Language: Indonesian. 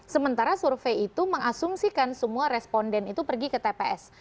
sementara survei itu mengasumsikan semua responden itu pergi ke tps